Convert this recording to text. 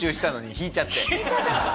引いちゃった。